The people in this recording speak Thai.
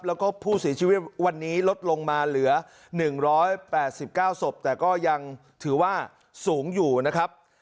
แล้วก็ผู้เสียชีวิตวันนี้ลดลงมาเหลือ๑๘๙ศพแต่ก็ยังถือว่าสูงอยู่นะครับ